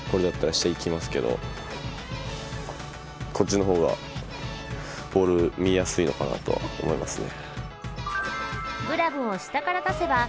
こっちの方がボール見えやすいのかなとは思いますね。